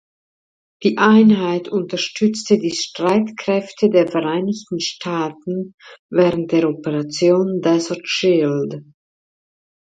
Die Einheit unterstützte die Streitkräfte der Vereinigten Staaten während der Operation Desert Shield.